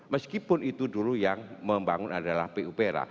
meskipun itu dulu yang membangun adalah pupera